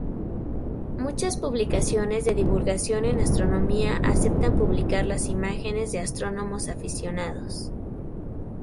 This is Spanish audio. Muchas publicaciones de divulgación en astronomía aceptan publicar las imágenes de astrónomos aficionados.